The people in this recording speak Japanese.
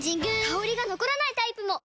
香りが残らないタイプも！